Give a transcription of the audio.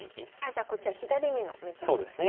じゃあこっちは左美濃目指すんですね。